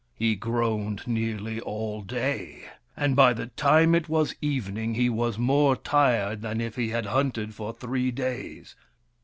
He groaned nearly all day, and by the time it was evening he was more tired than if he had hunted for three days.